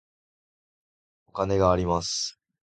お金があります。